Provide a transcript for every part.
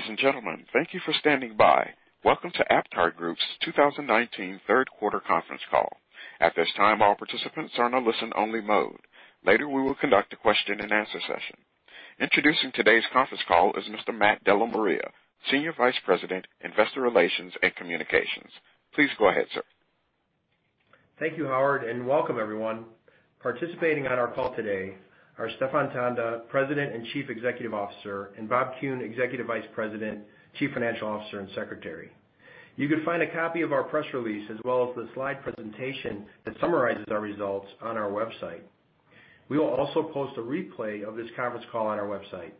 Ladies and gentlemen, thank you for standing by. Welcome to AptarGroup's 2019 third quarter conference call. At this time, all participants are in a listen-only mode. Later, we will conduct a question and answer session. Introducing today's conference call is Mr. Matt Della Maria, Senior Vice President, Investor Relations and Communications. Please go ahead, sir. Thank you, Howard, and welcome everyone. Participating on our call today are Stephan Tanda, president and chief executive officer, and Bob Kuhn, executive vice president, chief financial officer, and secretary. You can find a copy of our press release as well as the slide presentation that summarizes our results on our website. We will also post a replay of this conference call on our website.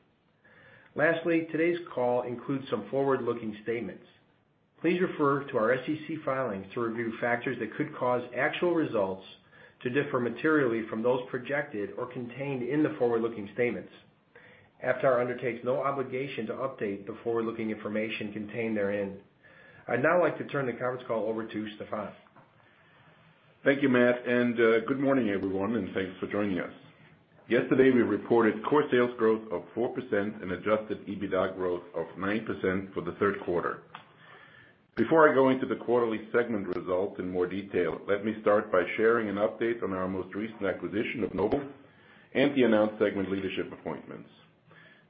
Lastly, today's call includes some forward-looking statements. Please refer to our SEC filings to review factors that could cause actual results to differ materially from those projected or contained in the forward-looking statements. Aptar undertakes no obligation to update the forward-looking information contained therein. I'd now like to turn the conference call over to Stephan. Thank you, Matt, good morning, everyone, and thanks for joining us. Yesterday, we reported core sales growth of 4% and adjusted EBITDA growth of 9% for the third quarter. Before I go into the quarterly segment results in more detail, let me start by sharing an update on our most recent acquisition of Noble and the announced segment leadership appointments.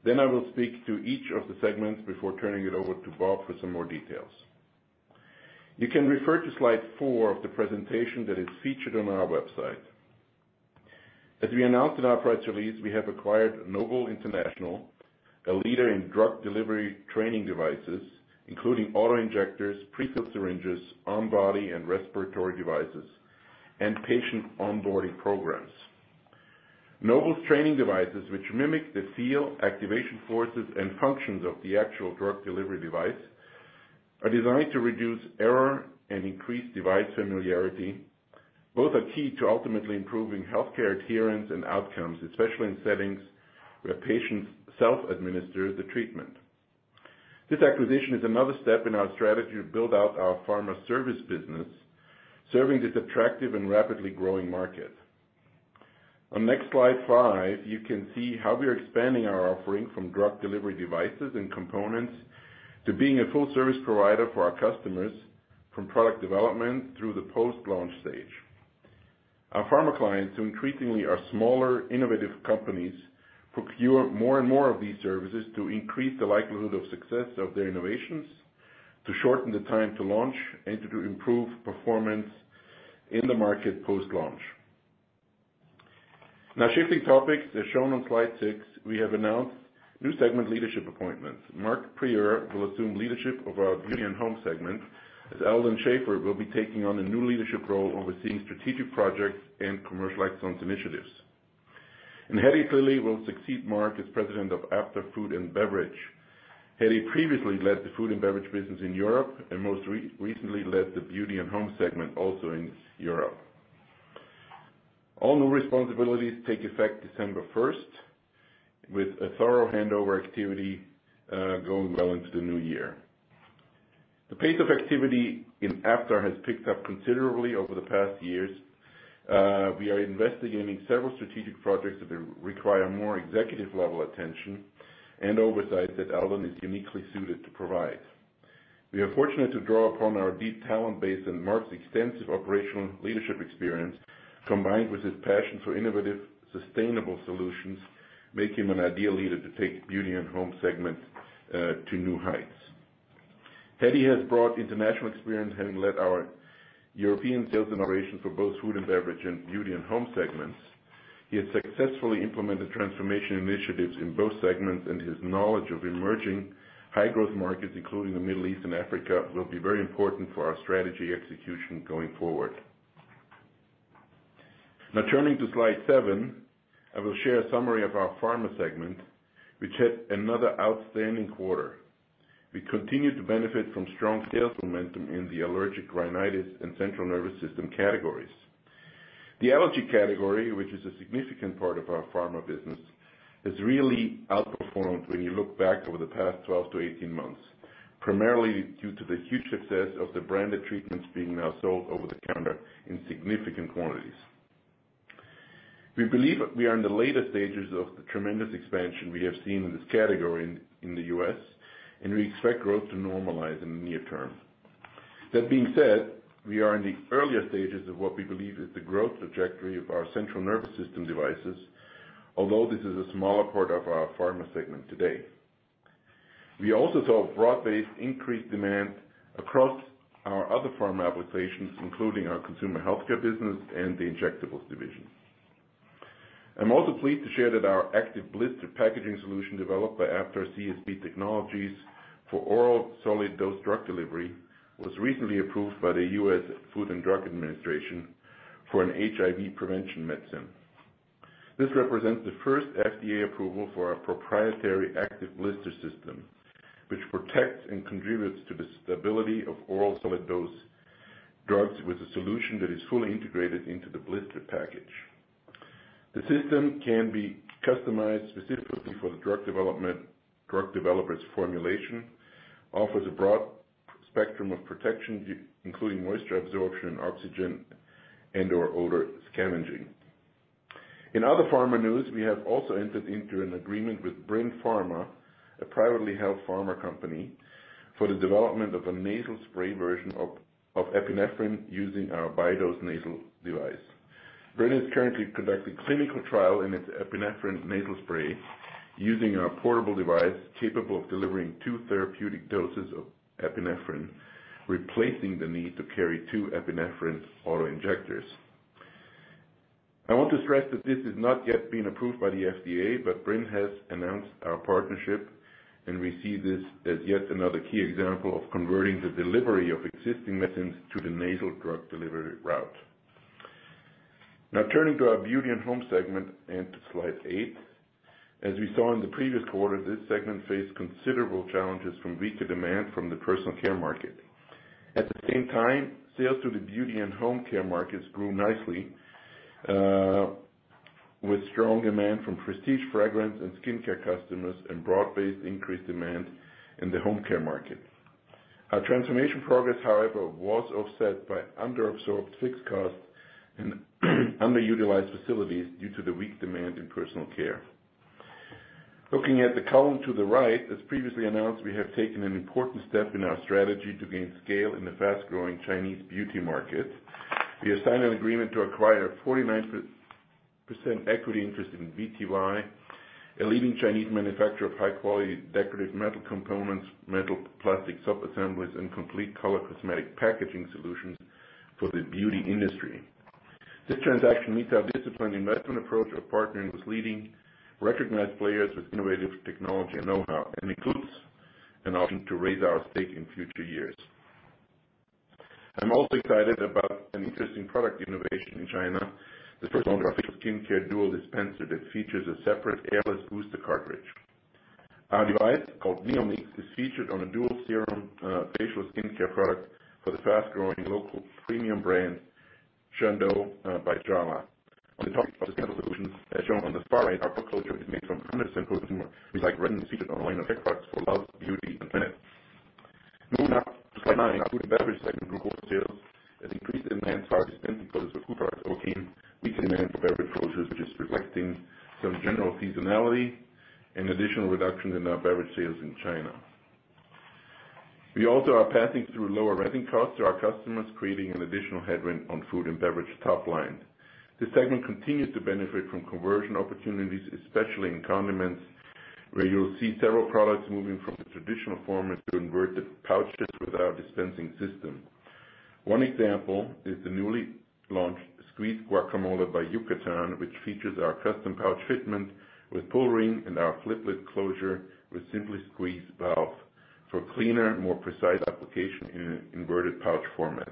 I will speak to each of the segments before turning it over to Bob for some more details. You can refer to slide four of the presentation that is featured on our website. As we announced in our press release, we have acquired Noble International, a leader in drug delivery training devices, including auto-injectors, pre-filled syringes, on-body and respiratory devices, and patient onboarding programs. Noble's training devices, which mimic the feel, activation forces, and functions of the actual drug delivery device, are designed to reduce error and increase device familiarity. Both are key to ultimately improving healthcare adherence and outcomes, especially in settings where patients self-administer the treatment. This acquisition is another step in our strategy to build out our pharma service business, serving this attractive and rapidly growing market. On the next, slide five, you can see how we are expanding our offering from drug delivery devices and components to being a full-service provider for our customers from product development through the post-launch stage. Our pharma clients, who increasingly are smaller, innovative companies, procure more and more of these services to increase the likelihood of success of their innovations, to shorten the time to launch, and to improve performance in the market post-launch. Now, shifting topics, as shown on slide six, we have announced new segment leadership appointments. Marc Prieur will assume leadership of our Beauty + Home segment, as Eldon Schaffer will be taking on a new leadership role overseeing strategic projects and commercial excellence initiatives. Hedi Tlili will succeed Marc as President of Aptar Food + Beverage. Hedi previously led the Food + Beverage business in Europe and most recently led the Beauty + Home segment also in Europe. All new responsibilities take effect December 1st, with a thorough handover activity going well into the new year. The pace of activity in Aptar has picked up considerably over the past years. We are investigating several strategic projects that require more executive-level attention and oversight that Eldon is uniquely suited to provide. We are fortunate to draw upon our deep talent base and Marc's extensive operational leadership experience, combined with his passion for innovative, sustainable solutions, make him an ideal leader to take Beauty + Home segment to new heights. Hedi has brought international experience, having led our European sales and operations for both Food + Beverage and Beauty + Home segments. He has successfully implemented transformation initiatives in both segments, and his knowledge of emerging high-growth markets, including the Middle East and Africa, will be very important for our strategy execution going forward. Now turning to slide seven, I will share a summary of our Pharma segment, which had another outstanding quarter. We continue to benefit from strong sales momentum in the allergic rhinitis and central nervous system categories. The allergy category, which is a significant part of our pharma business, has really outperformed when you look back over the past 12 to 18 months, primarily due to the huge success of the branded treatments being now sold over the counter in significant quantities. We believe we are in the later stages of the tremendous expansion we have seen in this category in the U.S., and we expect growth to normalize in the near term. That being said, we are in the earlier stages of what we believe is the growth trajectory of our central nervous system devices, although this is a smaller part of our pharma segment today. We also saw broad-based increased demand across our other pharma applications, including our consumer healthcare business and the injectables division. I'm also pleased to share that our active blister packaging solution developed by Aptar CSP Technologies for oral solid-dose drug delivery was recently approved by the U.S. Food and Drug Administration for an HIV prevention medicine. This represents the first FDA approval for our proprietary active blister system, which protects and contributes to the stability of oral solid-dose drugs with a solution that is fully integrated into the blister package. The system can be customized specifically for the drug developer's formulation, offers a broad spectrum of protection, including moisture absorption, oxygen, and/or odor scavenging. In other pharma news, we have also entered into an agreement with Bryn Pharma, a privately held pharma company, for the development of a nasal spray version of epinephrine using our Bidose nasal device. Bryn is currently conducting clinical trial in its epinephrine nasal spray using our portable device capable of delivering two therapeutic doses of epinephrine, replacing the need to carry two epinephrine auto-injectors. I want to stress that this has not yet been approved by the FDA, but Bryn has announced our partnership, and we see this as yet another key example of converting the delivery of existing medicines to the nasal drug delivery route. Now turning to our Beauty + Home segment and to slide eight. As we saw in the previous quarter, this segment faced considerable challenges from weaker demand from the personal care market. At the same time, sales to the beauty and home care markets grew nicely, with strong demand from prestige fragrance and skincare customers and broad-based increased demand in the home care market. Our transformation progress, however, was offset by under-absorbed fixed costs and underutilized facilities due to the weak demand in personal care. Looking at the column to the right, as previously announced, we have taken an important step in our strategy to gain scale in the fast-growing Chinese beauty market. We have signed an agreement to acquire a 49% equity interest in BTY, a leading Chinese manufacturer of high-quality decorative metal components, metal-plastic sub-assemblies, and complete color cosmetic packaging solutions for the beauty industry. This transaction meets our disciplined investment approach of partnering with leading recognized players with innovative technology and know-how and includes an option to raise our stake in future years. I'm also excited about an interesting product innovation in China, the first-ever facial skincare dual dispenser that features a separate airless booster cartridge. Our device, called Neomix, is featured on a dual-serum facial skincare product for the fast-growing local premium brand Chando by Jala. On the topic of sustainable solutions, as shown on the far right, our closure is made from 100% post-consumer recycled resin featured on liner tech products for Love Beauty and Planet. Moving now to slide nine. Our Food + Beverage segment group of sales has increased in hand size despite the presence of Cooper. We've seen weak demand for beverage closures, which is reflecting some general seasonality and additional reduction in our beverage sales in China. We also are passing through lower resin costs to our customers, creating an additional headwind on Food + Beverage top line. This segment continues to benefit from conversion opportunities, especially in condiments, where you'll see several products moving from the traditional format to inverted pouches with our dispensing system. One example is the newly launched squeezed guacamole by Yucatan, which features our custom pouch fitment with pull ring and our flip lid closure with SimpliSqueeze valve for cleaner, more precise application in an inverted pouch format.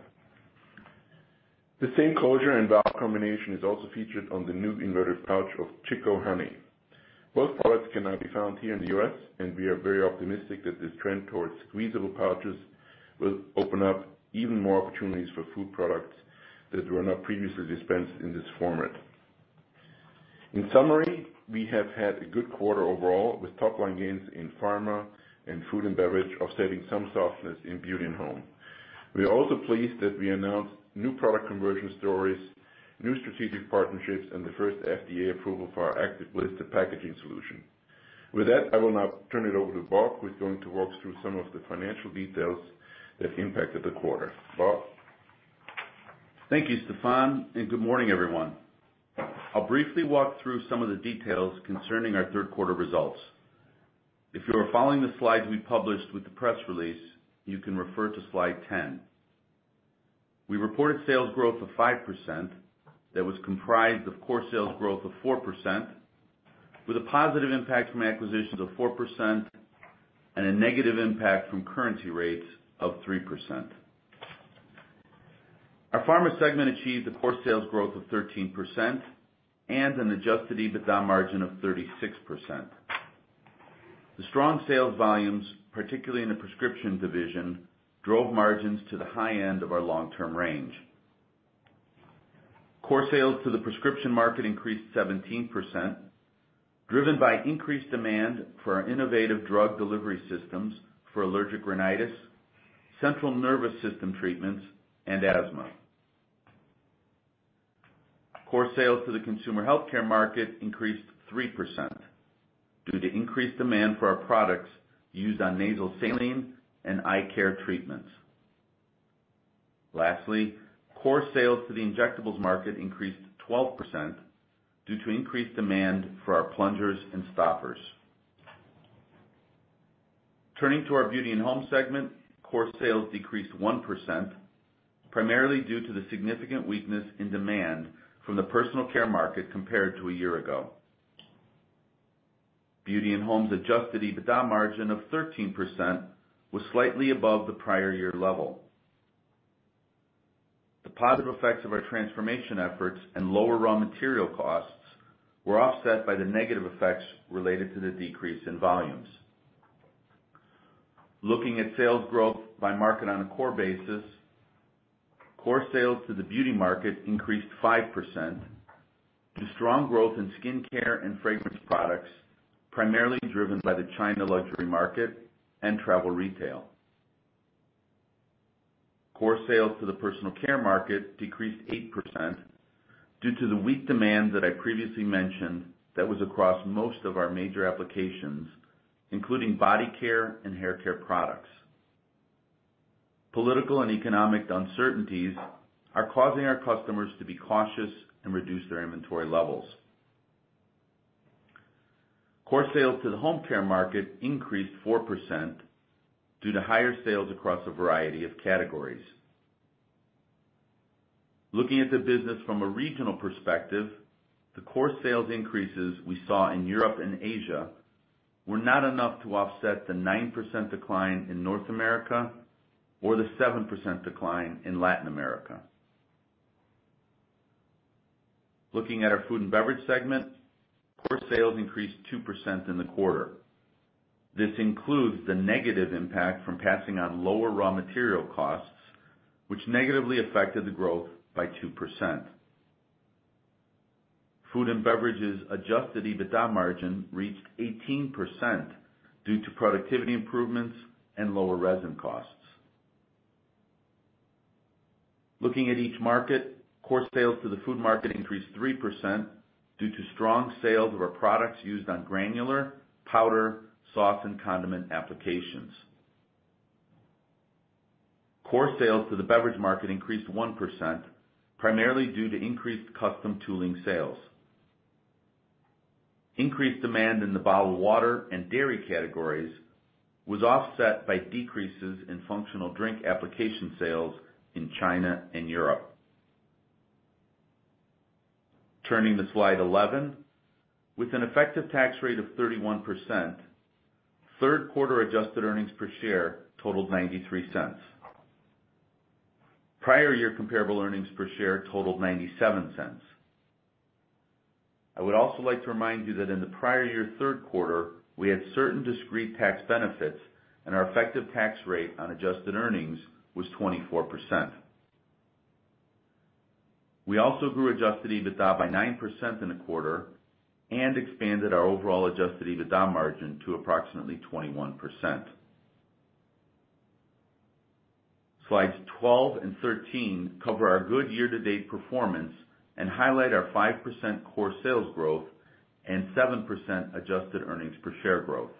The same closure and valve combination is also featured on the new inverted pouch of Chico Honey. Both products can now be found here in the U.S. We are very optimistic that this trend towards squeezable pouches will open up even more opportunities for food products that were not previously dispensed in this format. In summary, we have had a good quarter overall with top-line gains in pharma and Food + Beverage, offsetting some softness in Beauty + Home. We are also pleased that we announced new product conversion stories, new strategic partnerships, and the first FDA approval for our ActivBlister packaging solution. With that, I will now turn it over to Bob, who's going to walk through some of the financial details that impacted the quarter. Bob? Thank you, Stephan, and good morning, everyone. I'll briefly walk through some of the details concerning our third quarter results. If you are following the slides we published with the press release, you can refer to slide 10. We reported sales growth of 5% that was comprised of core sales growth of 4%, with a positive impact from acquisitions of 4% and a negative impact from currency rates of 3%. Our Pharma segment achieved a core sales growth of 13% and an adjusted EBITDA margin of 36%. The strong sales volumes, particularly in the prescription division, drove margins to the high end of our long-term range. Core sales to the prescription market increased 17%, driven by increased demand for our innovative drug delivery systems for allergic rhinitis, central nervous system treatments, and asthma. Core sales to the consumer healthcare market increased 3% due to increased demand for our products used on nasal saline and eye care treatments. Lastly, core sales to the injectables market increased 12% due to increased demand for our plungers and stoppers. Turning to our Beauty and Home segment, core sales decreased 1%, primarily due to the significant weakness in demand from the personal care market compared to a year ago. Beauty and Home's adjusted EBITDA margin of 13% was slightly above the prior year level. The positive effects of our transformation efforts and lower raw material costs were offset by the negative effects related to the decrease in volumes. Looking at sales growth by market on a core basis, core sales to the beauty market increased 5% to strong growth in skincare and fragrance products, primarily driven by the China luxury market and travel retail. Core sales to the personal care market decreased 8% due to the weak demand that I previously mentioned that was across most of our major applications, including body care and haircare products. Political and economic uncertainties are causing our customers to be cautious and reduce their inventory levels. Core sales to the home care market increased 4% due to higher sales across a variety of categories. Looking at the business from a regional perspective, the core sales increases we saw in Europe and Asia were not enough to offset the 9% decline in North America or the 7% decline in Latin America. Looking at our Food + Beverage segment, core sales increased 2% in the quarter. This includes the negative impact from passing on lower raw material costs, which negatively affected the growth by 2%. Food + Beverage's adjusted EBITDA margin reached 18% due to productivity improvements and lower resin costs. Looking at each market, core sales to the food market increased 3% due to strong sales of our products used on granular, powder, sauce, and condiment applications. Core sales to the beverage market increased 1%, primarily due to increased custom tooling sales. Increased demand in the bottled water and dairy categories was offset by decreases in functional drink application sales in China and Europe. Turning to slide 11. With an effective tax rate of 31%, third quarter adjusted earnings per share totaled $0.93. Prior year comparable earnings per share totaled $0.97. I would also like to remind you that in the prior year third quarter, we had certain discrete tax benefits, and our effective tax rate on adjusted earnings was 24%. We also grew adjusted EBITDA by 9% in a quarter and expanded our overall adjusted EBITDA margin to approximately 21%. Slides 12 and 13 cover our good year-to-date performance and highlight our 5% core sales growth and 7% adjusted earnings per share growth.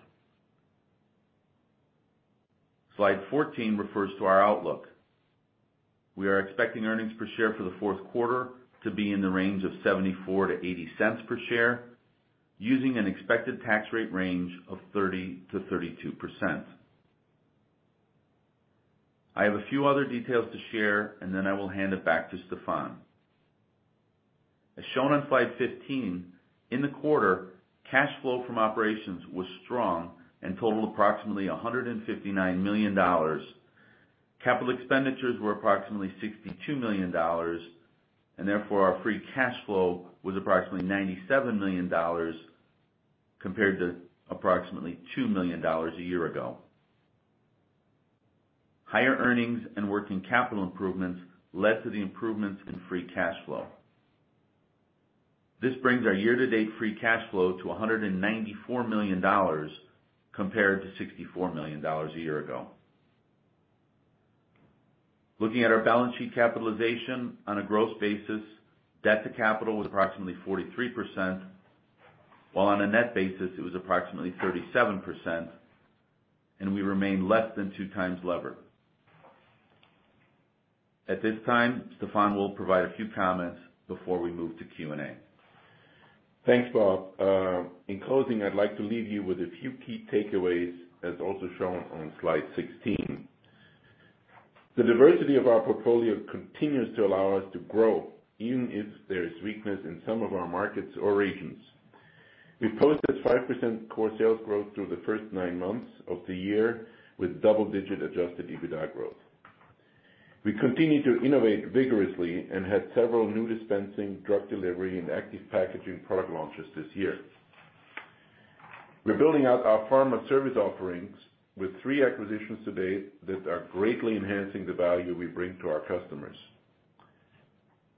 Slide 14 refers to our outlook. We are expecting earnings per share for the fourth quarter to be in the range of $0.74 to $0.80 per share using an expected tax rate range of 30%-32%. I have a few other details to share, and then I will hand it back to Stephan. As shown on slide 15, in the quarter, cash flow from operations was strong and totaled approximately $159 million. Capital expenditures were approximately $62 million, and therefore our free cash flow was approximately $97 million compared to approximately $2 million a year ago. Higher earnings and working capital improvements led to the improvements in free cash flow. This brings our year-to-date free cash flow to $194 million, compared to $64 million a year ago. Looking at our balance sheet capitalization on a gross basis, debt to capital was approximately 43%, while on a net basis, it was approximately 37%, and we remain less than two times levered. At this time, Stephan will provide a few comments before we move to Q&A. Thanks, Bob. In closing, I'd like to leave you with a few key takeaways, as also shown on slide 16. The diversity of our portfolio continues to allow us to grow, even if there is weakness in some of our markets or regions. We posted 5% core sales growth through the first nine months of the year with double-digit adjusted EBITDA growth. We continue to innovate vigorously and had several new dispensing, drug delivery, and active packaging product launches this year. We're building out our pharma service offerings with three acquisitions to date that are greatly enhancing the value we bring to our customers.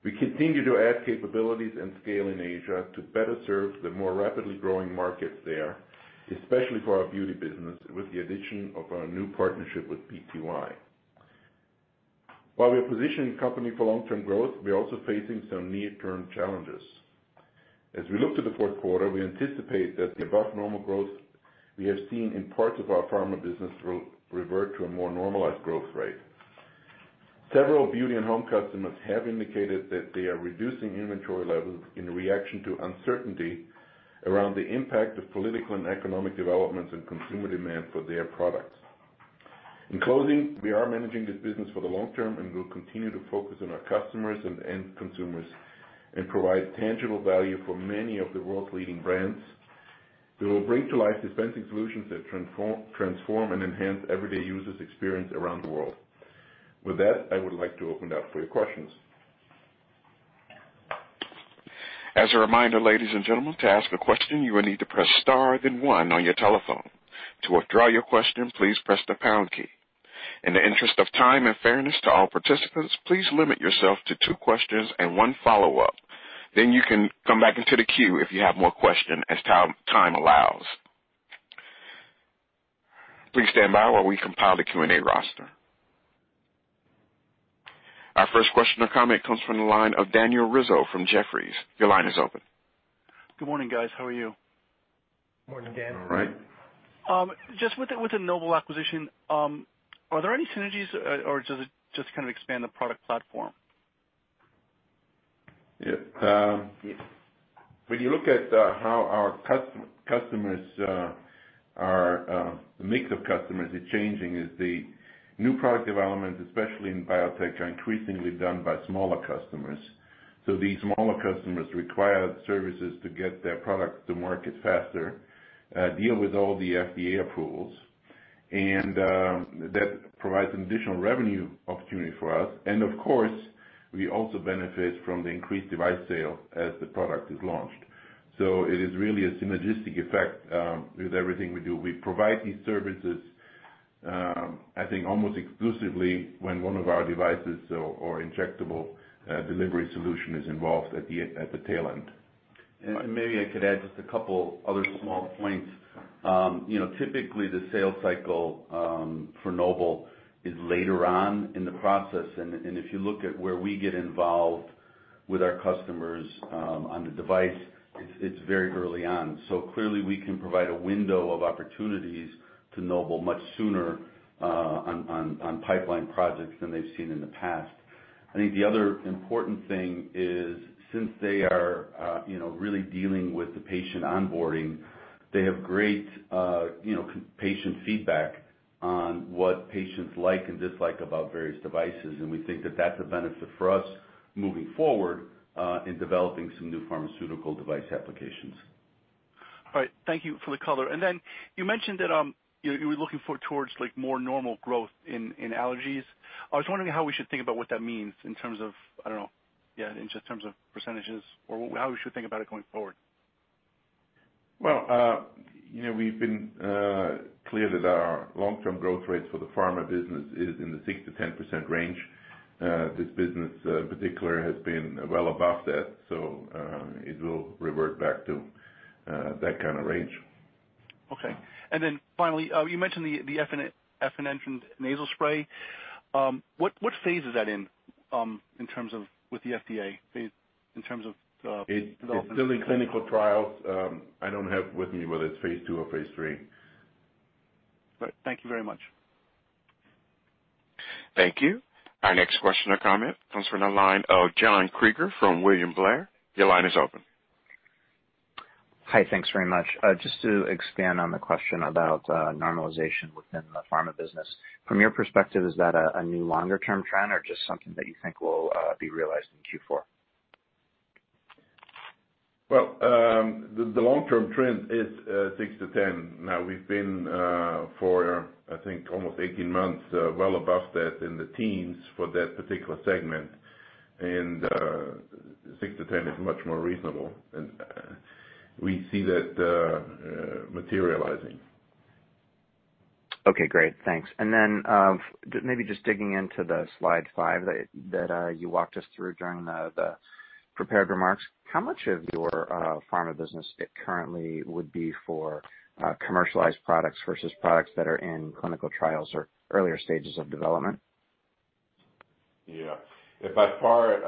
We continue to add capabilities and scale in Asia to better serve the more rapidly growing markets there, especially for our beauty business, with the addition of our new partnership with BTY. While we are positioning the company for long-term growth, we are also facing some near-term challenges. As we look to the fourth quarter, we anticipate that the above-normal growth we have seen in parts of our pharma business will revert to a more normalized growth rate. Several Beauty + Home customers have indicated that they are reducing inventory levels in reaction to uncertainty around the impact of political and economic developments and consumer demand for their products. In closing, we are managing this business for the long term and will continue to focus on our customers and end consumers and provide tangible value for many of the world's leading brands that will bring to life dispensing solutions that transform and enhance everyday users' experience around the world. With that, I would like to open it up for your questions. As a reminder, ladies and gentlemen, to ask a question, you will need to press star then one on your telephone. To withdraw your question, please press the pound key. In the interest of time and fairness to all participants, please limit yourself to two questions and one follow-up. You can come back into the queue if you have more questions as time allows. Please stand by while we compile the Q&A roster. Our first question or comment comes from the line of Daniel Rizzo from Jefferies. Your line is open. Good morning, guys. How are you? Morning, Dan. All right. Just with the Noble acquisition, are there any synergies, or does it just kind of expand the product platform? When you look at how our mix of customers is changing, is the new product development, especially in biotech, are increasingly done by smaller customers. These smaller customers require services to get their product to market faster, deal with all the FDA approvals, and that provides an additional revenue opportunity for us. Of course, we also benefit from the increased device sale as the product is launched. It is really a synergistic effect with everything we do. We provide these services, I think, almost exclusively when one of our devices or injectable delivery solution is involved at the tail end. Maybe I could add just a couple other small points. Typically, the sales cycle for Noble is later on in the process, and if you look at where we get involved with our customers on the device, it's very early on. Clearly we can provide a window of opportunities to Noble much sooner on pipeline projects than they've seen in the past. I think the other important thing is, since they are really dealing with the patient onboarding, they have great patient feedback on what patients like and dislike about various devices. We think that that's a benefit for us moving forward in developing some new pharmaceutical device applications. All right. Thank you for the color. You mentioned that you were looking towards more normal growth in allergies. I was wondering how we should think about what that means in terms of just in terms of percentages or how we should think about it going forward. Well, we've been clear that our long-term growth rates for the pharma business is in the 6%-10% range. This business in particular has been well above that, it will revert back to that kind of range. Okay. Finally, you mentioned the epinephrine nasal spray. What phase is that in terms of with the FDA, in terms of development? It's still in clinical trials. I don't have with me whether it's phase II or phase III. Great. Thank you very much. Thank you. Our next question or comment comes from the line of John Kreger from William Blair. Your line is open. Hi. Thanks very much. Just to expand on the question about normalization within the pharma business. From your perspective, is that a new longer-term trend or just something that you think will be realized in Q4? Well, the long-term trend is 6%-10%. We've been for, I think, almost 18 months, well above that in the teens for that particular segment. 6%-10% is much more reasonable. We see that materializing. Okay, great. Thanks. Then, maybe just digging into the slide five that you walked us through during the prepared remarks, how much of your pharma business currently would be for commercialized products versus products that are in clinical trials or earlier stages of development? Yeah. By far,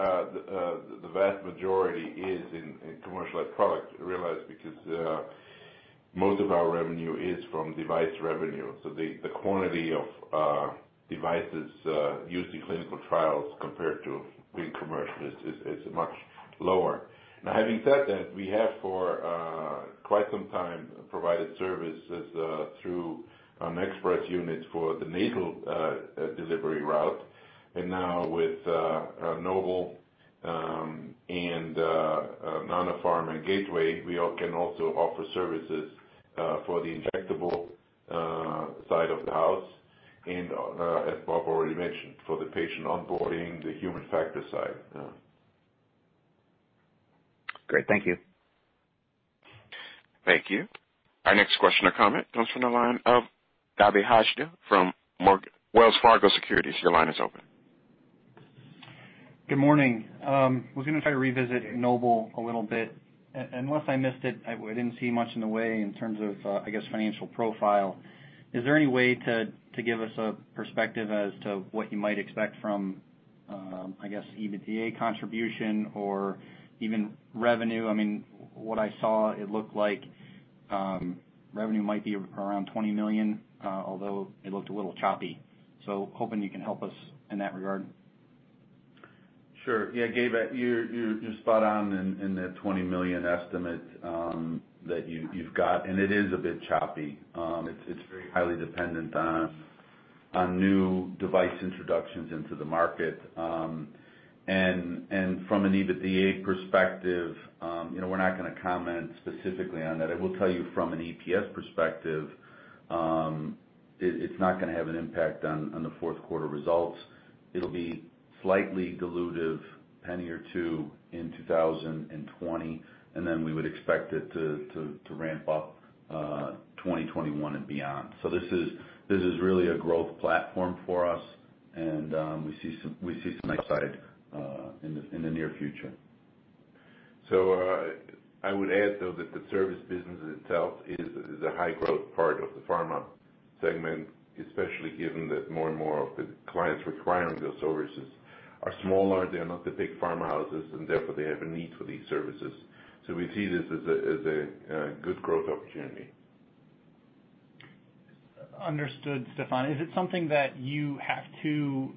the vast majority is in commercialized products, realize because most of our revenue is from device revenue. The quantity of devices used in clinical trials compared to being commercial is much lower. Now, having said that, we have for quite some time, provided services through an express unit for the nasal delivery route. Now with Noble and Nanopharm and Gateway, we can also offer services for the injectable side of the house and as Bob already mentioned, for the patient onboarding the human factor side. Great. Thank you. Thank you. Our next question or comment comes from the line of Gabe Hajde from Wells Fargo Securities. Your line is open. Good morning. Was going to try to revisit Noble a little bit. Unless I missed it, I didn't see much in the way in terms of, I guess, financial profile. Is there any way to give us a perspective as to what you might expect from, I guess EBITDA contribution or even revenue? What I saw, it looked like revenue might be around $20 million, although it looked a little choppy. Hoping you can help us in that regard. Sure. Yeah, Gabe, you're spot on in the $20 million estimate that you've got, and it is a bit choppy. It's very highly dependent on new device introductions into the market. From an EBITDA perspective, we're not going to comment specifically on that. I will tell you from an EPS perspective, it's not going to have an impact on the fourth quarter results. It'll be slightly dilutive $0.01 or $0.02 in 2020, and then we would expect it to ramp up 2021 and beyond. This is really a growth platform for us, and we see some excitement in the near future. I would add, though, that the service business itself is a high-growth part of the Pharma segment, especially given that more and more of the clients requiring those services are smaller. They are not the big pharma houses, and therefore they have a need for these services. We see this as a good growth opportunity. Understood, Stephan. Is it something that you have to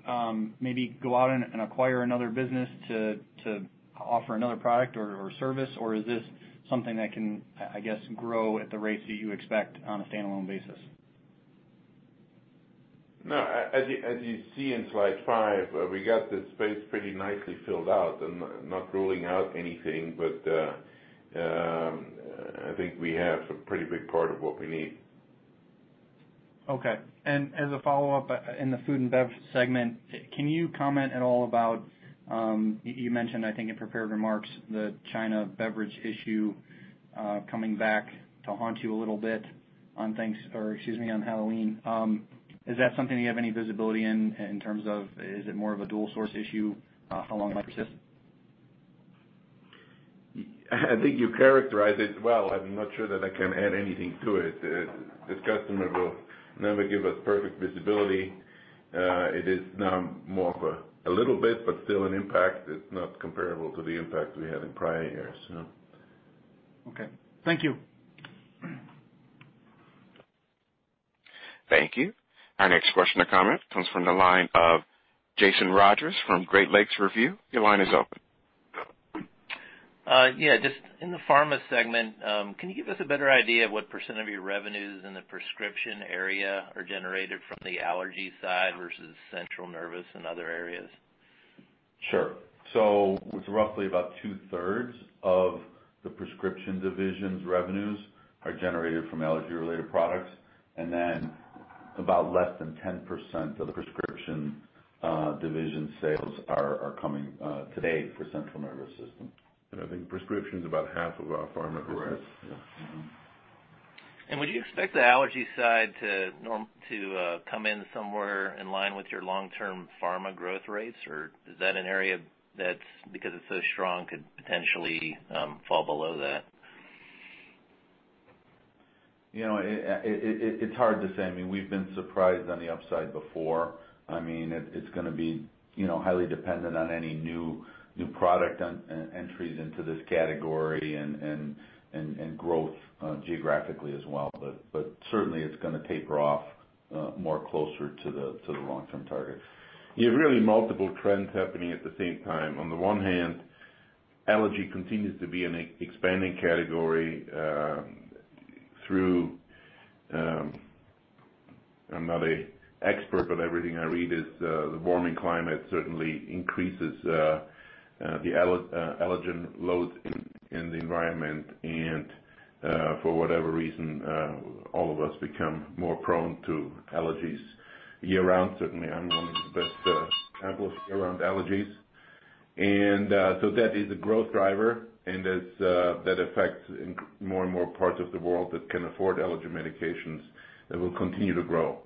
maybe go out and acquire another business to offer another product or service? Is this something that can, I guess, grow at the rates that you expect on a standalone basis? No. As you see in slide five, we got this space pretty nicely filled out. I'm not ruling out anything, but I think we have a pretty big part of what we need. Okay. As a follow-up, in the Food + Beverage segment, can you comment at all about, you mentioned, I think in prepared remarks, the China beverage issue coming back to haunt you a little bit or excuse me, on Halloween. Is that something you have any visibility in terms of, is it more of a dual source issue? How long it might persist? I think you characterized it well. I'm not sure that I can add anything to it. This customer will never give us perfect visibility. It is now more of a little bit, but still an impact. It's not comparable to the impact we had in prior years, no. Okay. Thank you. Thank you. Our next question or comment comes from the line of Jason Rogers from Great Lakes Review. Your line is open. Yeah, just in the pharma segment, can you give us a better idea of what % of your revenues in the prescription area are generated from the allergy side versus central nervous and other areas? Sure. With roughly about 2/3 of the prescription division's revenues are generated from allergy-related products, about less than 10% of the prescription division sales are coming today for central nervous system. I think prescription is about half of our pharma business. Correct. Yeah. Mm-hmm. Would you expect the allergy side to come in somewhere in line with your long-term pharma growth rates? Is that an area that, because it's so strong, could potentially fall below that? It's hard to say. We've been surprised on the upside before. It's gonna be highly dependent on any new product entries into this category and growth geographically as well. Certainly, it's gonna taper off more closer to the long-term targets. You have really multiple trends happening at the same time. On the one hand, allergy continues to be an expanding category through, I'm not an expert, but everything I read is the warming climate certainly increases the allergen loads in the environment. For whatever reason, all of us become more prone to allergies year-round. Certainly, I'm one of the best examples around allergies. That is a growth driver, and as that affects more and more parts of the world that can afford allergen medications, that will continue to grow.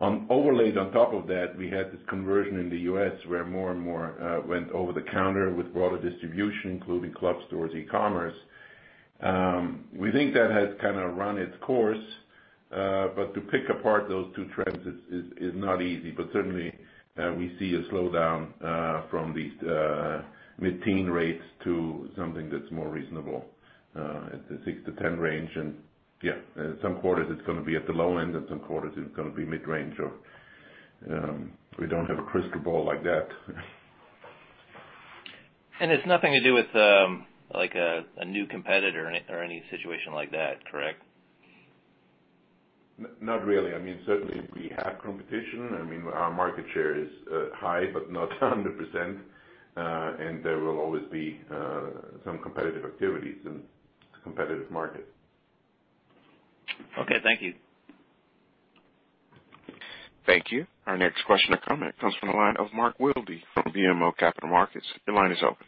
Overlaid on top of that, we had this conversion in the U.S. where more and more went over the counter with broader distribution, including club stores, e-commerce. We think that has run its course. To pick apart those two trends is not easy. Certainly, we see a slowdown from these mid-teen rates to something that's more reasonable, at the 6-10 range. Yeah, some quarters it's gonna be at the low end, and some quarters it's gonna be mid-range. We don't have a crystal ball like that. It's nothing to do with a new competitor or any situation like that, correct? Not really. Certainly, we have competition. Our market share is high, but not 100%. There will always be some competitive activities in a competitive market. Okay. Thank you. Thank you. Our next question or comment comes from the line of Mark Wilde from BMO Capital Markets. Your line is open.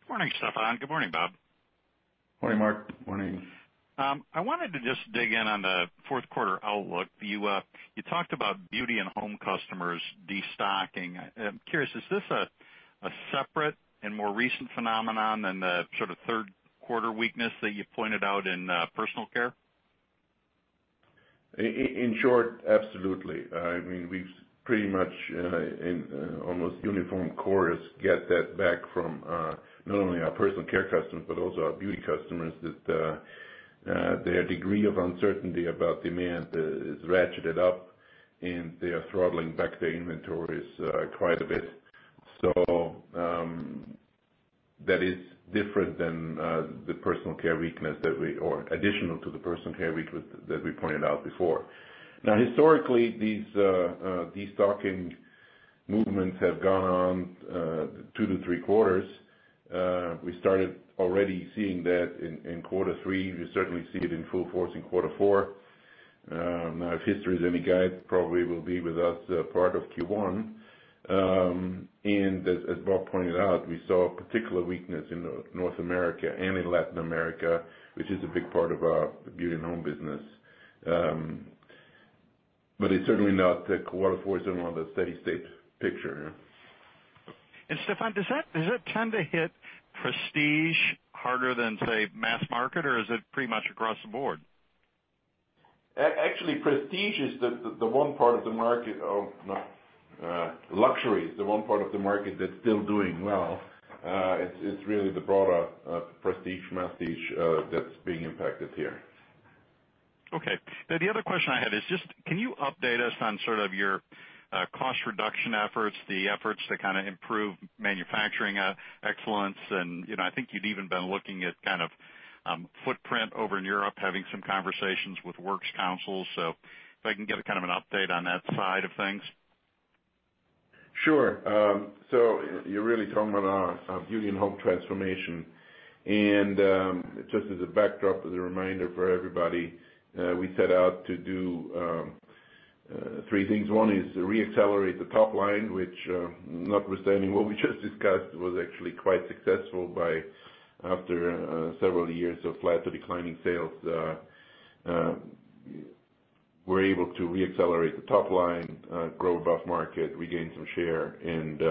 Good morning, Stephan. Good morning, Bob. Morning, Mark. Morning. I wanted to just dig in on the fourth quarter outlook. You talked about Beauty + Home customers destocking. I'm curious, is this a separate and more recent phenomenon than the third quarter weakness that you pointed out in personal care? In short, absolutely. We've pretty much in almost uniform chorus, get that back from not only our personal care customers, but also our beauty customers, that their degree of uncertainty about demand is ratcheted up, and they are throttling back their inventories quite a bit. That is different than the personal care weakness or additional to the personal care weakness that we pointed out before. Historically, these destocking movements have gone on two to three quarters. We started already seeing that in quarter three. We certainly see it in full force in quarter four. If history is any guide, probably will be with us part of Q1. As Bob pointed out, we saw a particular weakness in North America and in Latin America, which is a big part of our Beauty + Home business. Quarter four is not a steady state picture. Stephan, does that tend to hit prestige harder than, say, mass market, or is it pretty much across the board? Actually, Luxury is the one part of the market that's still doing well. It's really the broader prestige, masstige that's being impacted here. Okay. The other question I had is just, can you update us on sort of your cost reduction efforts, the efforts to improve manufacturing excellence and I think you'd even been looking at footprint over in Europe, having some conversations with works councils. If I can get an update on that side of things. Sure. You're really talking about our Beauty + Home transformation. Just as a backdrop, as a reminder for everybody, we set out to do three things. One is reaccelerate the top line, which notwithstanding what we just discussed was actually quite successful by, after several years of flat to declining sales. We're able to reaccelerate the top line, grow above market, regain some share, and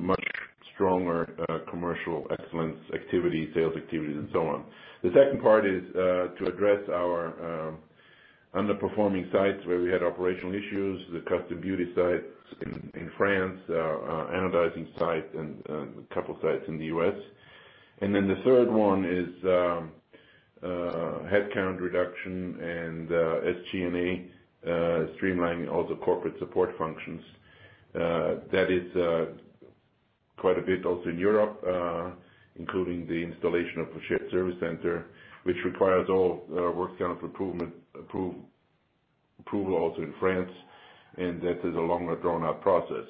much stronger commercial excellence activity, sales activities, and so on. The second part is to address our underperforming sites where we had operational issues, the custom beauty sites in France, our anodizing site, and a couple sites in the U.S. The third one is headcount reduction and SG&A, streamlining all the corporate support functions. That is quite a bit also in Europe, including the installation of a shared service center, which requires all work count approval also in France, that is a longer drawn-out process.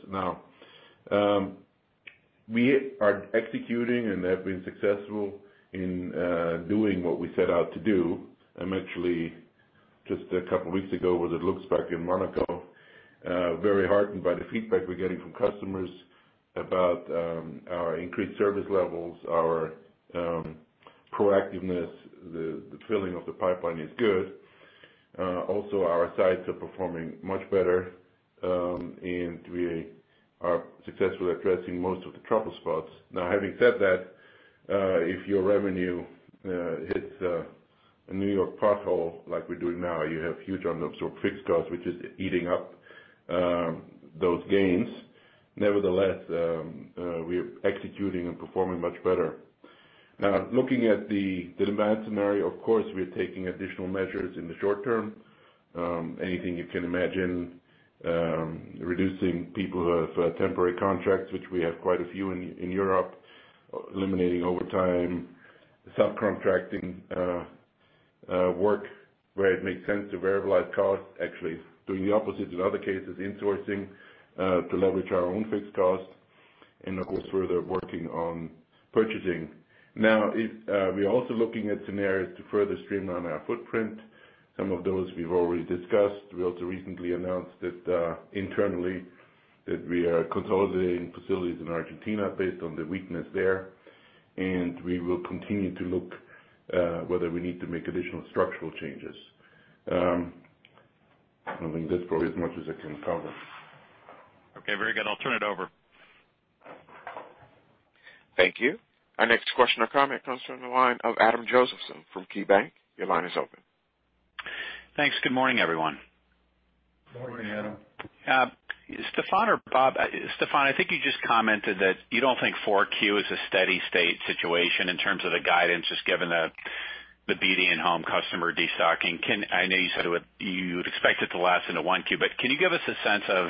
We are executing and have been successful in doing what we set out to do. I'm actually just a couple of weeks ago, was at Luxe Pack in Monaco, very heartened by the feedback we're getting from customers about our increased service levels, our proactiveness. The filling of the pipeline is good. Our sites are performing much better, and we are successfully addressing most of the trouble spots. Having said that, if your revenue hits a New York pothole like we're doing now, you have huge unabsorbed fixed costs, which is eating up those gains. We're executing and performing much better. Looking at the demand scenario, of course, we're taking additional measures in the short term. Anything you can imagine. Reducing people who have temporary contracts, which we have quite a few in Europe, eliminating overtime, sub-contracting work where it makes sense to variabilize costs. Doing the opposite in other cases, insourcing to leverage our own fixed costs, and of course, further working on purchasing. We are also looking at scenarios to further streamline our footprint. Some of those we've already discussed. We also recently announced internally that we are consolidating facilities in Argentina based on the weakness there, and we will continue to look whether we need to make additional structural changes. I think that's probably as much as I can cover. Okay, very good. I'll turn it over. Thank you. Our next question or comment comes from the line of Adam Josephson from KeyBanc Capital Markets. Your line is open. Thanks. Good morning, everyone. Morning, Adam. Stephan or Bob. Stephan, I think you just commented that you don't think 4Q is a steady state situation in terms of the guidance just given the Beauty + Home customer de-stocking. I know you said you'd expect it to last into 1Q, but can you give us a sense of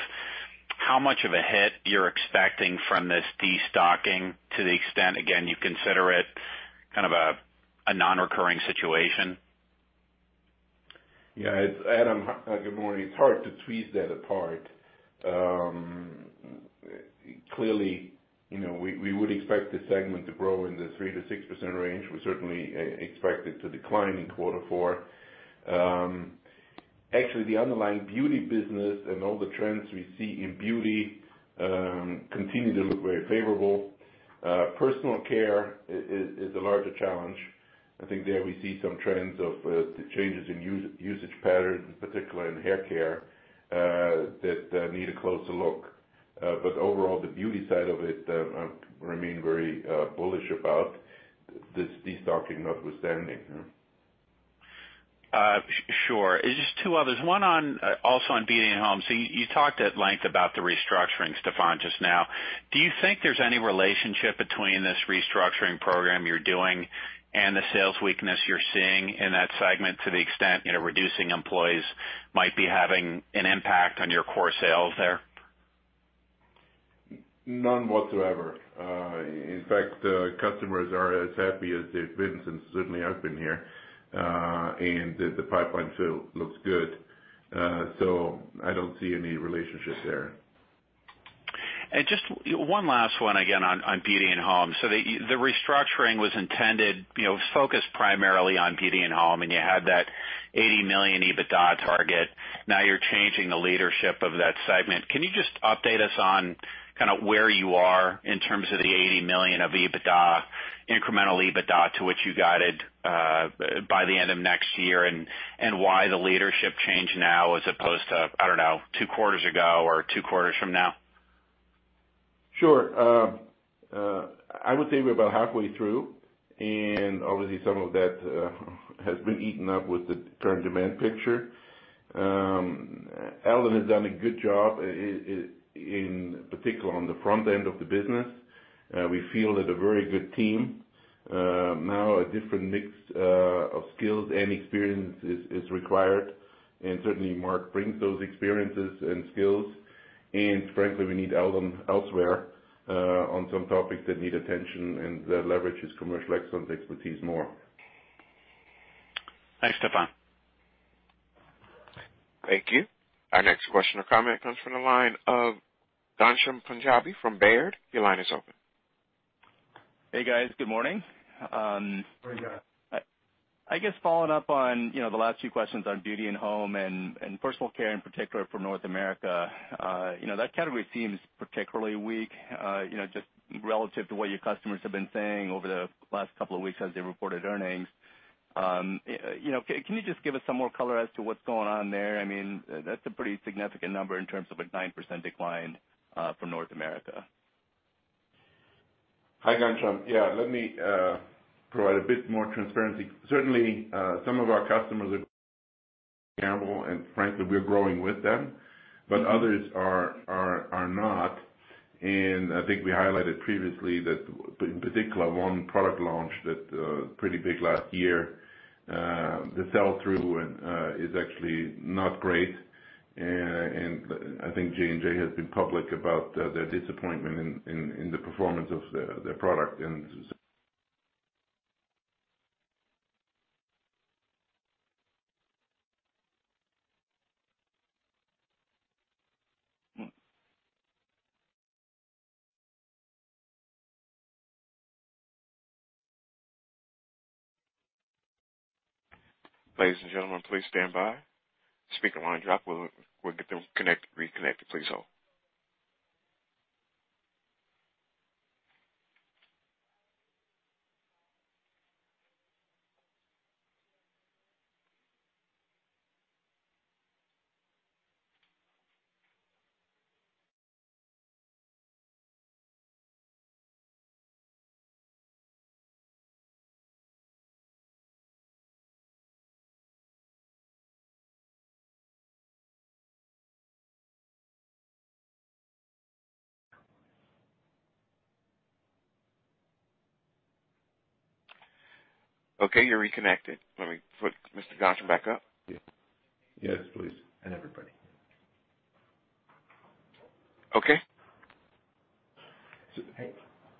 how much of a hit you're expecting from this de-stocking to the extent, again, you consider it a non-recurring situation? Adam, good morning. It's hard to tweeze that apart. Clearly, we would expect this segment to grow in the 3%-6% range. We certainly expect it to decline in quarter four. Actually, the underlying beauty business and all the trends we see in beauty continue to look very favorable. Personal care is a larger challenge. I think there we see some trends of the changes in usage patterns, particularly in haircare, that need a closer look. Overall, the beauty side of it, I remain very bullish about this de-stocking notwithstanding. Sure. Just two others. One also on Beauty + Home. You talked at length about the restructuring, Stephan, just now. Do you think there's any relationship between this restructuring program you're doing and the sales weakness you're seeing in that segment to the extent reducing employees might be having an impact on your core sales there? None whatsoever. In fact, customers are as happy as they've been since certainly I've been here. The pipeline fill looks good. I don't see any relationship there. Just one last one again on Beauty + Home. The restructuring was intended, focused primarily on Beauty + Home, and you had that $80 million EBITDA target. Now you're changing the leadership of that segment. Can you just update us on where you are in terms of the $80 million of incremental EBITDA to which you guided by the end of next year, and why the leadership change now as opposed to, I don't know, two quarters ago or two quarters from now? Sure. I would say we're about halfway through, and obviously some of that has been eaten up with the current demand picture. Eldon has done a good job, in particular, on the front end of the business. We feel that a very good team. Now, a different mix of skills and experience is required, and certainly Marc brings those experiences and skills. Frankly, we need Eldon elsewhere on some topics that need attention and that leverage his commercial excellence expertise more. Thanks, Stephan. Thank you. Our next question or comment comes from the line of Ghansham Panjabi from Baird. Your line is open. Hey, guys. Good morning. Morning, Ghansham. I guess following up on the last few questions on Beauty + Home and personal care, in particular for North America. That category seems particularly weak just relative to what your customers have been saying over the last couple of weeks as they reported earnings. Can you just give us some more color as to what's going on there? That's a pretty significant number in terms of a 9% decline for North America. Hi, Ghansham. Yeah. Let me provide a bit more transparency. Certainly, some of our customers are Campbell, frankly, we are growing with them, but others are not. I think we highlighted previously that, in particular, one product launch that pretty big last year, the sell-through is actually not great. I think J&J has been public about their disappointment in the performance of their product. Ladies and gentlemen, please stand by. Speaker line dropped. We'll get them reconnected. Please hold. Okay, you're reconnected. Let me put Mr. Ghansham back up. Yes, please. Everybody. Okay.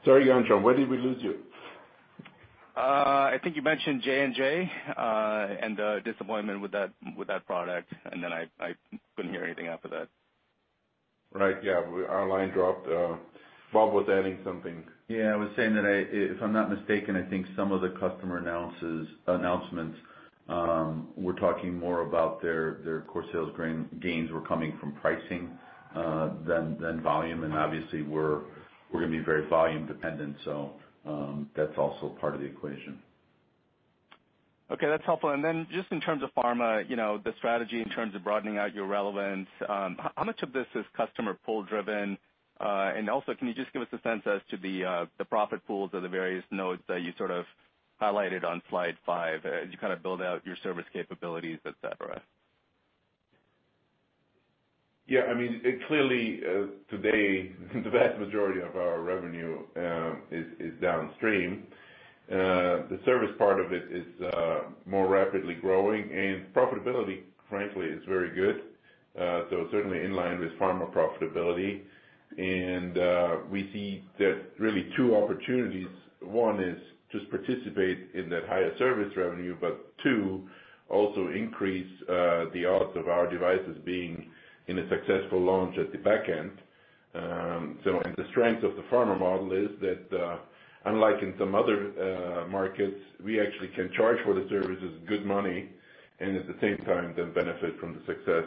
Sorry, Ghansham. Where did we lose you? I think you mentioned J&J and the disappointment with that product, and then I couldn't hear anything after that. Right. Yeah. Our line dropped. Bob was adding something. Yeah, I was saying that if I'm not mistaken, I think some of the customer announcements were talking more about their core sales gains were coming from pricing than volume. Obviously, we're going to be very volume dependent. That's also part of the equation. Okay, that's helpful. Just in terms of pharma, the strategy in terms of broadening out your relevance, how much of this is customer pull driven? Can you just give us a sense as to the profit pools or the various nodes that you highlighted on slide five as you build out your service capabilities, et cetera? Yeah. Clearly, today, the vast majority of our revenue is downstream. The service part of it is more rapidly growing, and profitability, frankly, is very good. Certainly in line with pharma profitability. We see that really two opportunities. One is just participate in that higher service revenue, but two, also increase the odds of our devices being in a successful launch at the back end. The strength of the pharma model is that, unlike in some other markets, we actually can charge for the services good money, and at the same time, then benefit from the success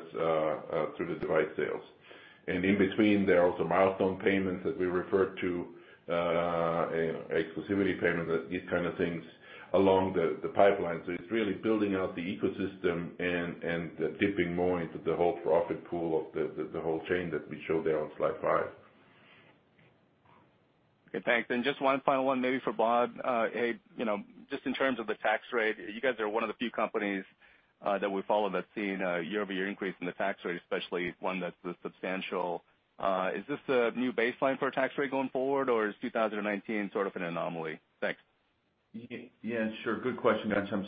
through the device sales. In between, there are also milestone payments that we refer to, exclusivity payments, these kind of things along the pipeline. It's really building out the ecosystem and dipping more into the whole profit pool of the whole chain that we show there on slide five. Okay, thanks. Just one final one maybe for Bob. Hey, just in terms of the tax rate, you guys are one of the few companies that we follow that's seen a year-over-year increase in the tax rate, especially one that's this substantial. Is this a new baseline for a tax rate going forward, or is 2019 sort of an anomaly? Thanks. Yeah, sure. Good question, Ghansham.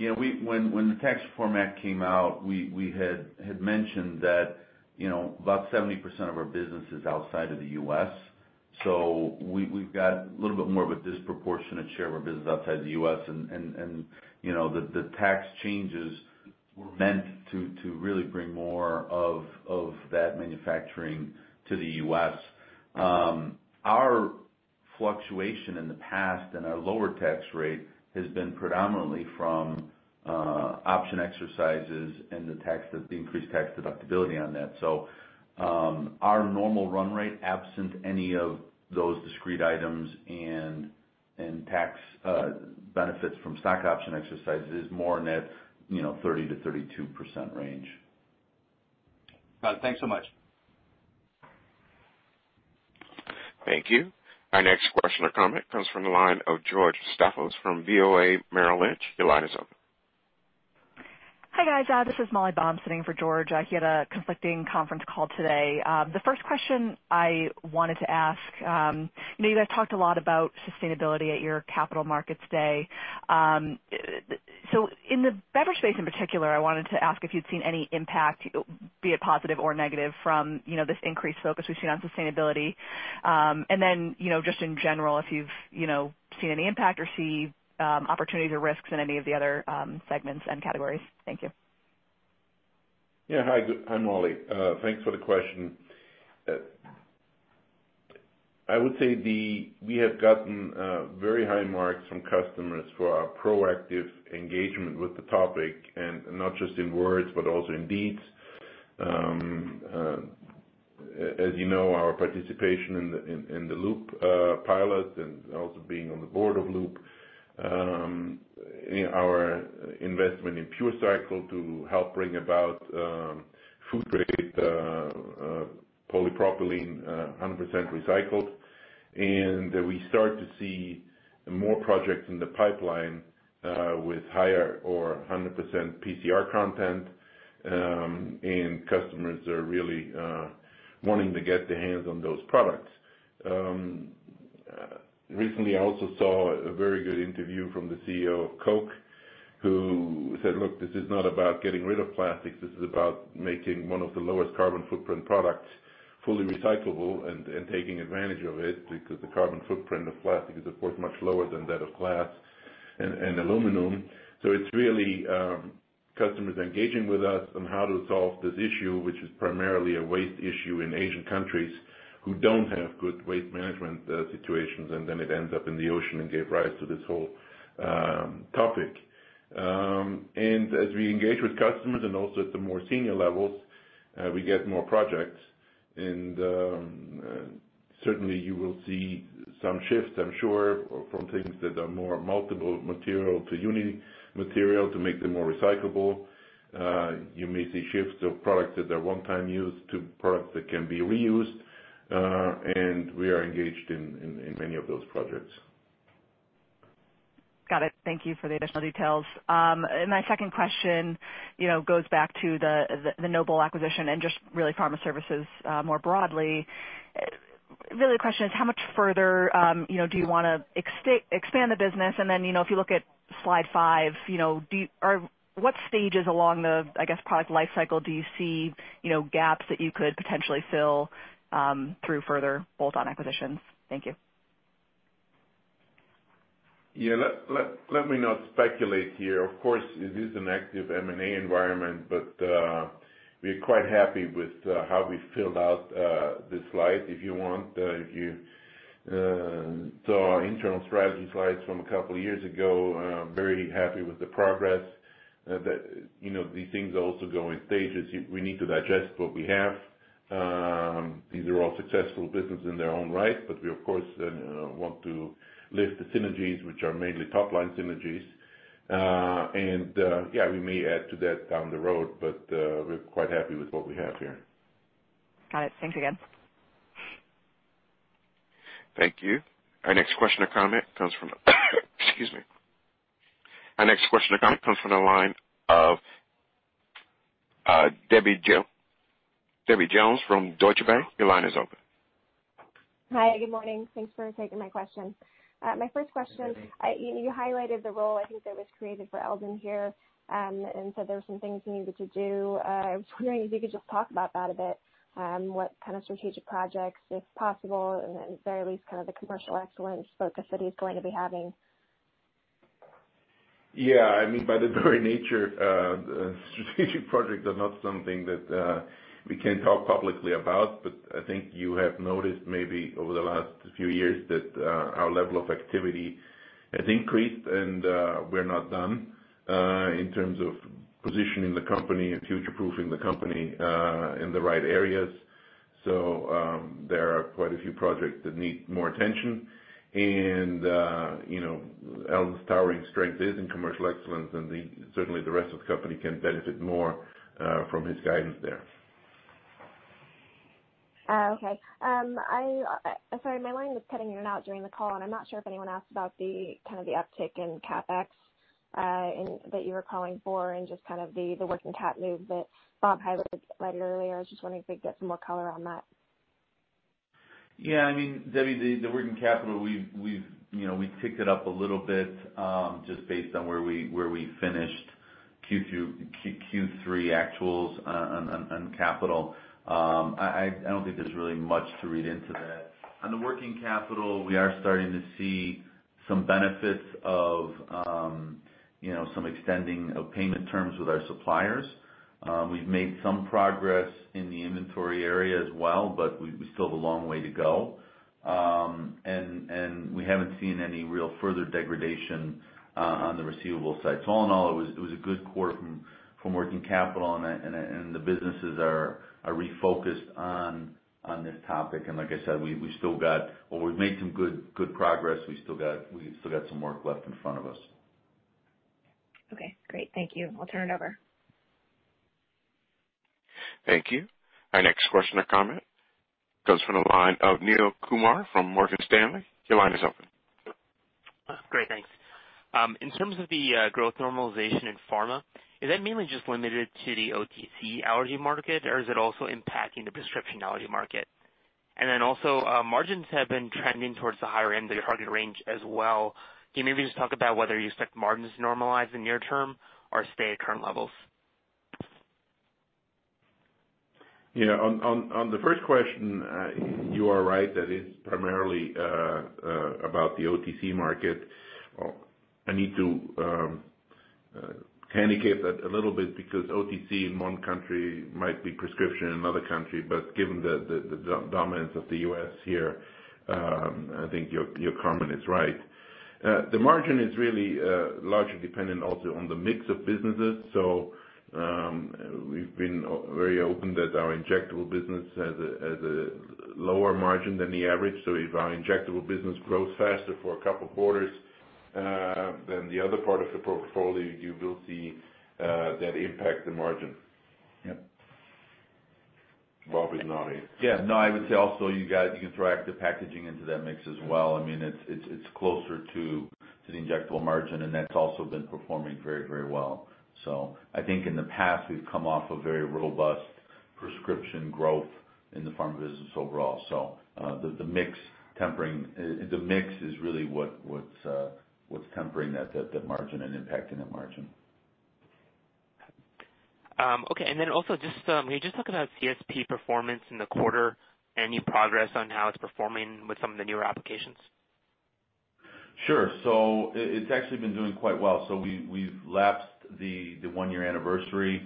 When the tax format came out, we had mentioned that about 70% of our business is outside of the U.S. We've got a little bit more of a disproportionate share of our business outside the U.S., and the tax changes were meant to really bring more of that manufacturing to the U.S. Our Fluctuation in the past and our lower tax rate has been predominantly from option exercises and the increased tax deductibility on that. Our normal run rate, absent any of those discrete items and tax benefits from stock option exercises, is more in that 30%-32% range. Scott, thanks so much. Thank you. Our next question or comment comes from the line of George Staphos from Bank of America Merrill Lynch. Your line is open. Hi, guys. This is Molly Baum sitting for George. He had a conflicting conference call today. The first question I wanted to ask, you guys talked a lot about sustainability at your capital markets day. In the Beauty space in particular, I wanted to ask if you'd seen any impact, be it positive or negative, from this increased focus we've seen on sustainability. Just in general, if you've seen any impact or see opportunities or risks in any of the other segments and categories. Thank you. Yeah. Hi, Molly. Thanks for the question. I would say we have gotten very high marks from customers for our proactive engagement with the topic, and not just in words, but also in deeds, as you know, our participation in the Loop pilot and also being on the board of Loop, our investment in PureCycle Technologies to help bring about food grade polypropylene, 100% recycled. We start to see more projects in the pipeline with higher or 100% PCR content, and customers are really wanting to get their hands on those products. Recently, I also saw a very good interview from the CEO of Coca-Cola who said, "Look, this is not about getting rid of plastics. This is about making one of the lowest carbon footprint products fully recyclable and taking advantage of it, because the carbon footprint of plastic is of course, much lower than that of glass and aluminum. It's really customers engaging with us on how to solve this issue, which is primarily a waste issue in Asian countries who don't have good waste management situations, and then it ends up in the ocean and gave rise to this whole topic. As we engage with customers and also at the more senior levels, we get more projects. Certainly, you will see some shifts, I'm sure, from things that are more multiple material to uni material to make them more recyclable. You may see shifts of products that are one-time use to products that can be reused. We are engaged in many of those projects. Got it. Thank you for the additional details. My second question goes back to the Noble acquisition and just really pharma services more broadly. Really, the question is how much further do you want to expand the business? Then, if you look at slide five, what stages along the product life cycle do you see gaps that you could potentially fill through further bolt-on acquisitions? Thank you. Let me not speculate here. It is an active M&A environment, we're quite happy with how we filled out this slide. If you saw our internal strategy slides from a couple of years ago, we are very happy with the progress. These things also go in stages. We need to digest what we have. These are all successful businesses in their own right, we of course want to lift the synergies, which are mainly top-line synergies. We may add to that down the road, we're quite happy with what we have here. Got it. Thanks again. Thank you. Our next question or comment comes from the line of Debbie Jones from Deutsche Bank. Your line is open. Hi. Good morning. Thanks for taking my question. Hi, Debbie. My first question, you highlighted the role, I think that was created for Eldon here, and said there were some things he needed to do. I was wondering if you could just talk about that a bit. What kind of strategic projects, if possible, and then if there are at least kind of the commercial excellence focus that he's going to be having? Yeah. By the very nature, strategic projects are not something that we can talk publicly about, but I think you have noticed maybe over the last few years that our level of activity has increased and we're not done in terms of positioning the company and future-proofing the company in the right areas. There are quite a few projects that need more attention. Eldon's towering strength is in commercial excellence, and certainly, the rest of the company can benefit more from his guidance there. Oh, okay. Sorry, my line was cutting in and out during the call, and I'm not sure if anyone asked about the uptick in CapEx that you were calling for, and just the working cap move that Bob highlighted earlier. I was just wondering if we could get some more color on that. Yeah. Debbie, the working capital, we've ticked it up a little bit, just based on where we finished Q3 actuals on capital. I don't think there's really much to read into that. On the working capital, we are starting to see some benefits of. Some extending of payment terms with our suppliers. We've made some progress in the inventory area as well, but we still have a long way to go. We haven't seen any real further degradation on the receivable side. All in all, it was a good quarter from working capital, and the businesses are refocused on this topic. Like I said, while we've made some good progress, we've still got some work left in front of us. Okay, great. Thank you. I'll turn it over. Thank you. Our next question or comment comes from the line of Nitin Kumar from Morgan Stanley. Your line is open. Great, thanks. In terms of the growth normalization in pharma, is that mainly just limited to the OTC allergy market, or is it also impacting the prescription allergy market? Also, margins have been trending towards the higher end of your target range as well. Can you maybe just talk about whether you expect margins to normalize in near-term or stay at current levels? On the first question, you are right that it's primarily about the OTC market. I need to handicap that a little bit because OTC in one country might be prescription in another country. Given the dominance of the U.S. here, I think your comment is right. The margin is really largely dependent also on the mix of businesses. We've been very open that our injectable business has a lower margin than the average. If our injectable business grows faster for a couple of quarters, then the other part of the portfolio, you will see that impact the margin. Yep. Bob is nodding. Yeah. No, I would say also you can throw active packaging into that mix as well. It's closer to the injectable margin, and that's also been performing very well. I think in the past, we've come off a very robust prescription growth in the pharma business overall. The mix is really what's tempering that margin and impacting that margin. Okay. Also just, can you just talk about CSP performance in the quarter? Any progress on how it's performing with some of the newer applications? Sure. It's actually been doing quite well. We've lapsed the one-year anniversary.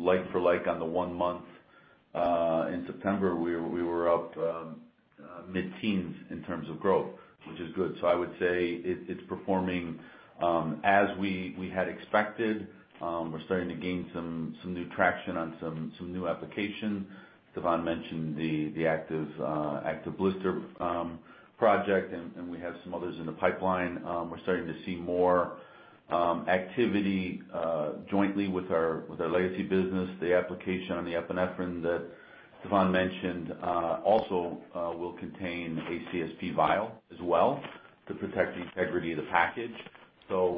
Like for like on the one month, in September, we were up mid-teens in terms of growth, which is good. I would say it's performing, as we had expected. We're starting to gain some new traction on some new applications. Stephan mentioned the Activ-Blister project, and we have some others in the pipeline. We're starting to see more activity jointly with our legacy business. The application on the epinephrine that Stephan mentioned also will contain an Activ-Vial as well to protect the integrity of the package.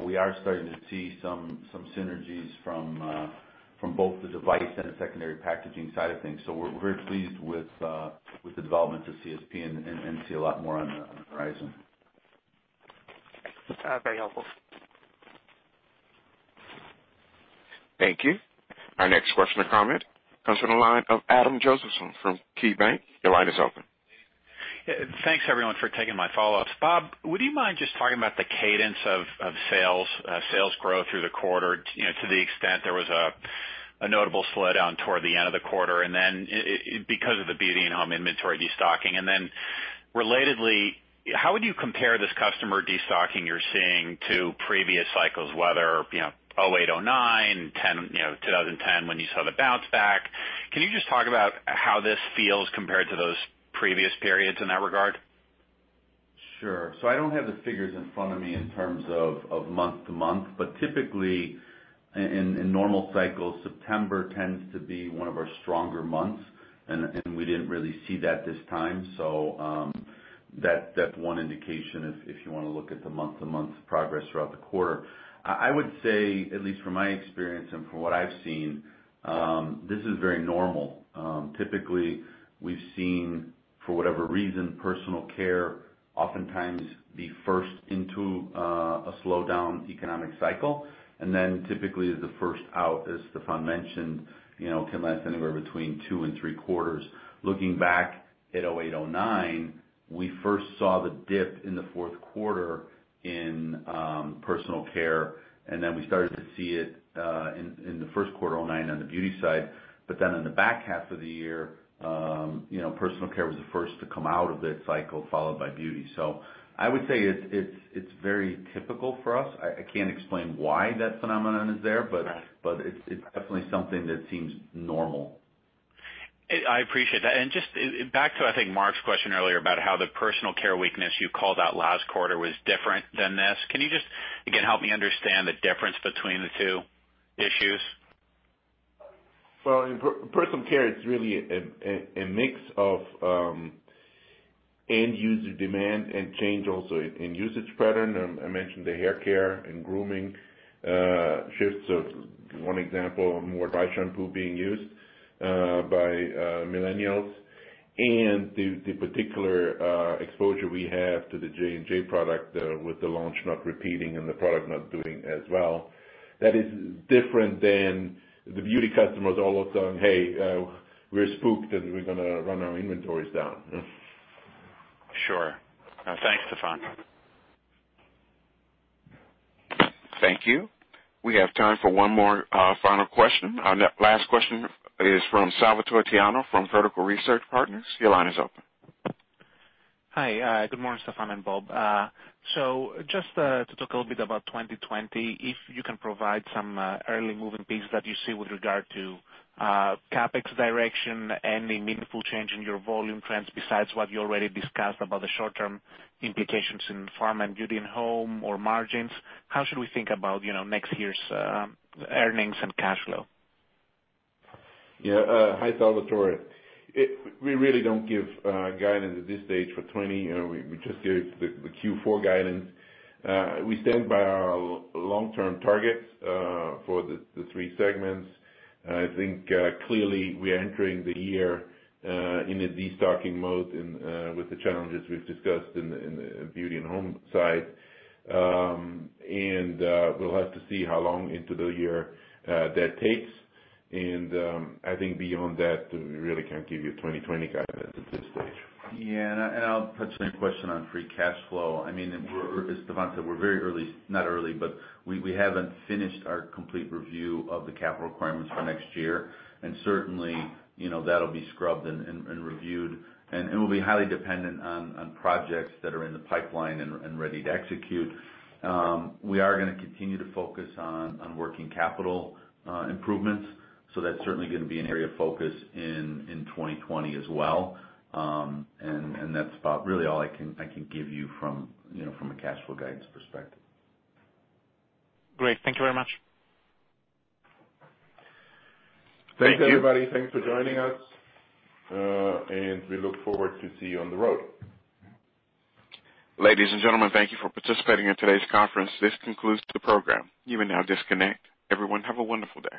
We are starting to see some synergies from both the device and the secondary packaging side of things. We're pleased with the development of CSP and see a lot more on the horizon. Very helpful. Thank you. Our next question or comment comes from the line of Adam Josephson from KeyBanc. Your line is open. Thanks everyone for taking my follow-ups. Bob, would you mind just talking about the cadence of sales growth through the quarter, to the extent there was a notable slowdown toward the end of the quarter, and then because of the Beauty + Home inventory destocking. Relatedly, how would you compare this customer destocking you're seeing to previous cycles, whether '08, '09, 2010, when you saw the bounce back? Can you just talk about how this feels compared to those previous periods in that regard? Sure. I don't have the figures in front of me in terms of month to month, but typically, in normal cycles, September tends to be one of our stronger months, and we didn't really see that this time. I would say, at least from my experience and from what I've seen, this is very normal. Typically, we've seen, for whatever reason, personal care oftentimes be first into a slowdown economic cycle, and then typically the first out, as Stephan mentioned, can last anywhere between two and three quarters. Looking back at 2008, 2009, we first saw the dip in the fourth quarter in personal care, and then we started to see it in the first quarter 2009 on the beauty side. In the back half of the year, personal care was the first to come out of that cycle, followed by beauty. I would say it's very typical for us. I can't explain why that phenomenon is there, but it's definitely something that seems normal. I appreciate that. Just back to, I think, Mark's question earlier about how the personal care weakness you called out last quarter was different than this. Can you just, again, help me understand the difference between the two issues? Well, in personal care, it's really a mix of end-user demand and change also in usage pattern. I mentioned the haircare and grooming shifts of, one example, more dry shampoo being used by millennials. The particular exposure we have to the J&J product with the launch not repeating and the product not doing as well. That is different than the beauty customers all of a sudden, hey, we're spooked that we're going to run our inventories down. Sure. Thanks, Stephan. Thank you. We have time for one more final question. Our last question is from Salvatore Tiano from Vertical Research Partners. Your line is open. Hi. Good morning, Stephan and Bob. Just to talk a little bit about 2020, if you can provide some early moving pieces that you see with regard to CapEx direction, any meaningful change in your volume trends besides what you already discussed about the short-term implications in Pharma and Beauty + Home or margins. How should we think about next year's earnings and cash flow? Yeah. Hi, Salvatore. We really don't give guidance at this stage for 2020. We just gave the Q4 guidance. We stand by our long-term targets for the three segments. I think clearly we are entering the year in a de-stocking mode with the challenges we've discussed in the Beauty & Home side. We'll have to see how long into the year that takes. I think beyond that, we really can't give you 2020 guidance at this stage. Yeah, I'll touch on your question on free cash flow. As Stephan said, we're very early, not early, but we haven't finished our complete review of the capital requirements for next year. Certainly, that'll be scrubbed and reviewed, and it will be highly dependent on projects that are in the pipeline and ready to execute. We are going to continue to focus on working capital improvements, that's certainly going to be an area of focus in 2020 as well. That's about really all I can give you from a cash flow guidance perspective. Great. Thank you very much. Thank you. Thanks, everybody. Thanks for joining us, and we look forward to see you on the road. Ladies and gentlemen, thank you for participating in today's conference. This concludes the program. You may now disconnect. Everyone, have a wonderful day.